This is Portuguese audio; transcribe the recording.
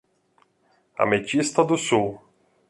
Ametista do Sul